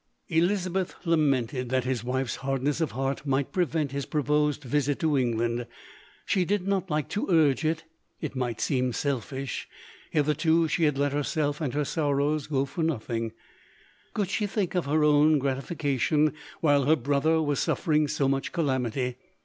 Elizabeth lamented that his wife's hardness of heart might prevent his proposed visit to England. She did not like to unje it — it might seem selfish : hitherto she had let herself and her sorrows go for nothing ; could she think of her own gratification, while her brother was suffering >o much calamity?